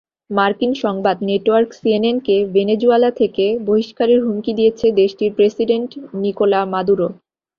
মার্কিন সংবাদ নেটওয়ার্ক সিএনএনকে ভেনেজুয়েলা থেকে বহিষ্কারের হুমকি দিয়েছেন দেশটির প্রেসিডেন্ট নিকোলা মাদুরো।